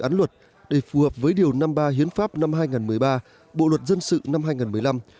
án luật để phù hợp với điều năm mươi ba hiến pháp năm hai nghìn một mươi ba bộ luật dân sự năm hai nghìn một mươi năm